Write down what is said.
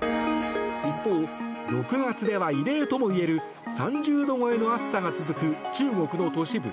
一方、６月では異例ともいえる３０度超えの暑さが続く中国の都市部。